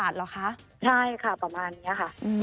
ใช่ค่ะประมาณเนี่ยค่ะ